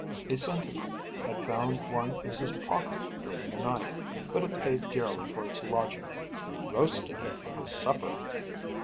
A sentinel had found one in his pocket during the night, but it paid dearly for its lodging he roasted it for his supper!